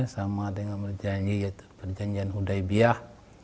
sama dengan berjanji yaitu perjanjian hudaibiyah